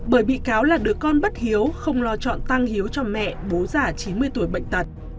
bởi bị cáo là đứa con bất hiếu không lo chọn tăng hiếu cho mẹ bố già chín mươi tuổi bệnh tật